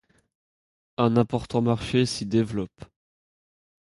Un important marché s’y développe.